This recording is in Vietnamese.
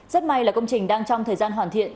rất may là công trình đang trong thời gian hoàn thiện